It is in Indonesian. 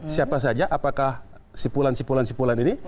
siapa saja apakah sipulan sipulan sipulan ini